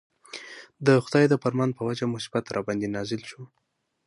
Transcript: د خدای د فرمان په وجه مصیبت راباندې نازل شو.